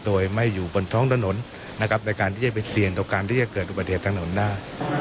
โดยไม่อยู่บนท้องถนนนะครับแต่การที่จะเป็นเสี่ยงต่อการที่จะเกิดอุปเทศทางหน่วงหน้า